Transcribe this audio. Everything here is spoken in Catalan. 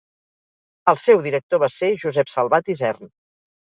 El seu director va ser Josep Salvat Isern.